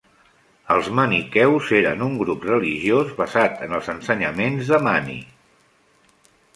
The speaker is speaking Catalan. Els maniqueus eren un grup religiós basat en els ensenyaments de Mani.